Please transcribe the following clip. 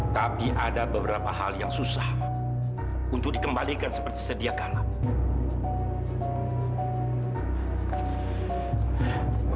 tapi ada beberapa hal yang susah untuk dikembalikan seperti sedia kala